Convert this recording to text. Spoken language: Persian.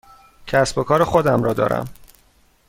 کسب و کار خودم را دارم.